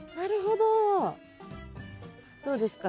どうですか？